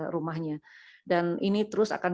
rumahnya dan ini terus akan